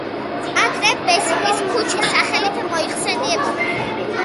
ადრე ბესიკის ქუჩის სახელით მოიხსენიებოდა.